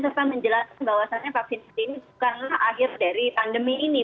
serta menjelaskan bahwasannya vaksinasi ini bukanlah akhir dari pandemi ini